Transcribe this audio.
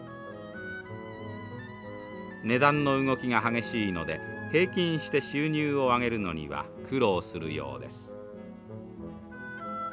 値段の動きが激しいので平均して収入をあげるのには苦労するようです。